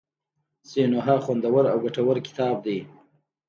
سینوهه خوندور او ګټور کتاب دی.